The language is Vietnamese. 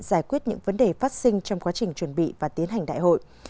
giải quyết những vấn đề phát sinh trong quá trình chuẩn bị và tiến hành đại hội